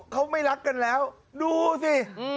เขาไม่รักกันแล้วดูสิ